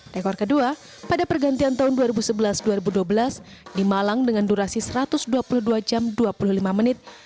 rekor kedua pada pergantian tahun dua ribu sebelas dua ribu dua belas di malang dengan durasi satu ratus dua puluh dua jam dua puluh lima menit